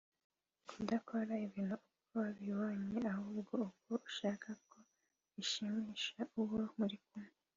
Kudakora ibintu uko wabibonye ahubwo uko ushaka ko bishimisha uwo muri kumwe